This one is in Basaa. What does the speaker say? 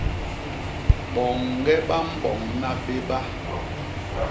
Boñge ba mboñna béba.